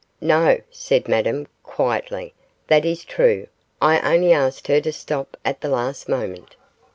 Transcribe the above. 'No,' said Madame, quietly, 'that is true, I only asked her to stop at the last moment.